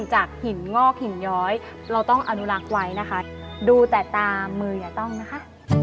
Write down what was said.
จากหินงอกหินย้อยเราต้องอนุรักษ์ไว้นะคะดูแต่ตามมืออย่าต้องนะคะ